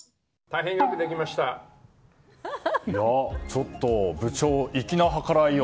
ちょっと部長粋な計らいを。